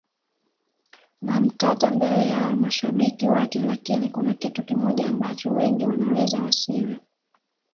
na mtata mbele ya mashabiki wake lakini kuna kitu kimoja ambacho wengi wanaweza wasiwe